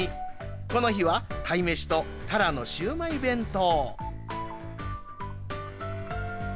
この日はたいめしとたらのシューマイ弁当。